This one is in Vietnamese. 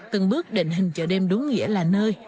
từng bước định hình chợ đêm đúng nghĩa là nơi